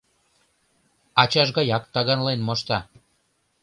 Ачаж гаяк таганлен мошта.